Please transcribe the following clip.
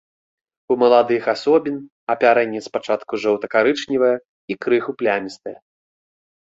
У маладых асобін апярэнне спачатку жоўта-карычневае і крыху плямістае.